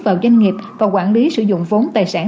vào doanh nghiệp và quản lý sử dụng vốn tài sản